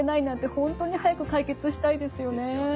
本当に早く解決したいですよね。